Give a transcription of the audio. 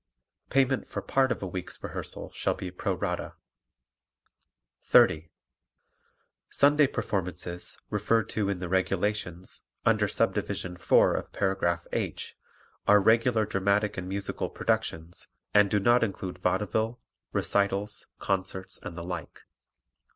Payment for part of a week's rehearsal shall be pro rata. 30. Sunday performances, referred to in the "Regulations," under Subdivision 4 of paragraph "H" are regular dramatic and musical productions and do not include vaudeville, recitals, concerts and the like.